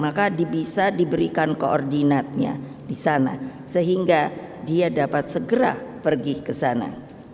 maka bisa diberikan koordinatnya di sana sehingga dia dapat segera pergi ke sana